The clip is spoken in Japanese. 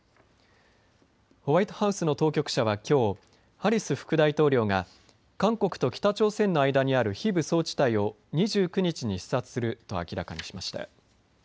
ホワイトハウスの当局者はきょう、ハリス副大統領が韓国と北朝鮮の間にある非武装地帯を２９日に視察すると明らかにしました。